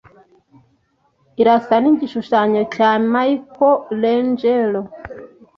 Irasa nigishushanyo cya Michelangelo.